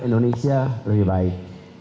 indonesia lebih baik